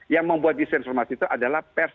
yang membuat disinformasi itu adalah pers